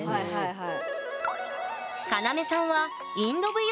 はい。